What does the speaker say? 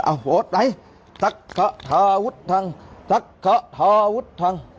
เอ้าโอ๊ดไหนซักเขาทาวุทธังซักเขาทาวุทธัง